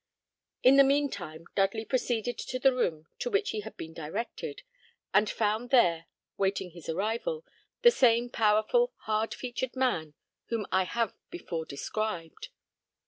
In the mean time Dudley proceeded to the room to which he had been directed, and found there, waiting his arrival, the same powerful, hard featured man whom I have before described.